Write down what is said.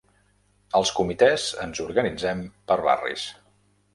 Els Comitès ens organitzem per barris.